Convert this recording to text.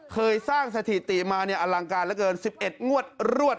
เคยสร้างสถิติมาเนี่ยอลังการเหลือเกิน๑๑งวดรวด